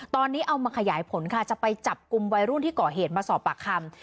ตอนนี้เอามาขยายผลค่ะจะไปจับกลุ่มวัยรุ่นที่ก่อเหตุมาสอบปากคำ